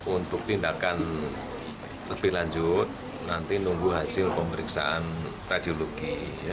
untuk tindakan lebih lanjut nanti nunggu hasil pemeriksaan radiologi